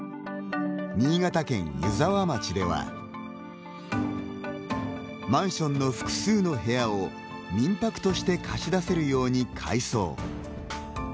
新潟県湯沢町ではマンションの複数の部屋を民泊として貸し出せるように改装。